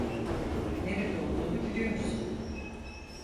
Nerede olduğunu biliyorsun.